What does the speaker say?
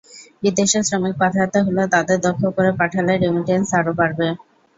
বিদেশে শ্রমিক পাঠাতে হলে, তাদের দক্ষ করে পাঠালে রেমিট্যান্স আরও বাড়বে।